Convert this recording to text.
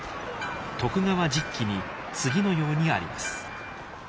「徳川実紀」に次のようにあります。